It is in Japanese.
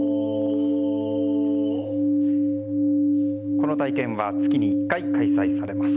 この体験は月に１回開催されます。